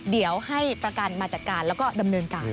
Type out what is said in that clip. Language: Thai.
เดี๋ยวให้ประกันมาจัดการแล้วก็ดำเนินการ